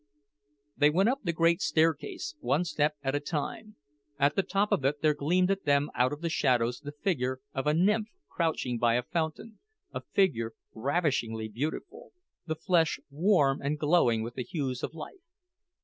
They went up the great staircase, one step at a time; at the top of it there gleamed at them out of the shadows the figure of a nymph crouching by a fountain, a figure ravishingly beautiful, the flesh warm and glowing with the hues of life.